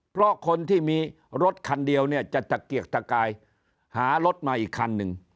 เพราะคนที่มีรถคันเดียวเนี่ยจะตะเกียกตะกายหารถมาอีกคันหนึ่ง